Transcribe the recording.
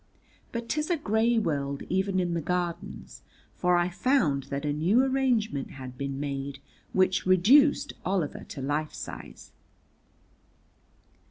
But 'tis a gray world even in the Gardens, for I found that a new arrangement had been made which reduced Oliver to life size.